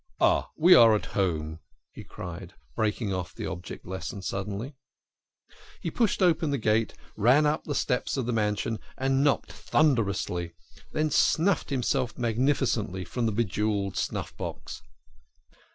"Ah, we are at home!" he cried, breaking off the object lesson suddenly. He pushed open the gate, ran up the steps of the mansion and knocked thunderously, then snuffed himself magnificently from the bejewelled snuff box.